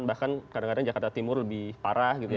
bahkan kadang kadang jakarta timur lebih parah gitu ya